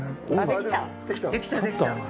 できたできた。